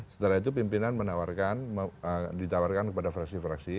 setelah itu pimpinan menawarkan ditawarkan kepada fraksi paripurna